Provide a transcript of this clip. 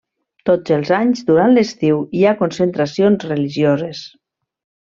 Tots els anys, durant l'estiu, hi ha concentracions religioses.